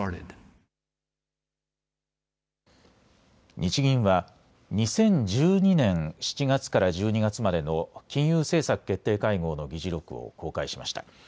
日銀は２０１２年７月から１２月までの金融政策決定会合の議事録を公開しました。